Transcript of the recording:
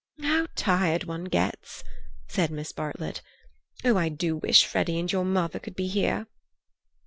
"How tired one gets," said Miss Bartlett. "Oh, I do wish Freddy and your mother could be here."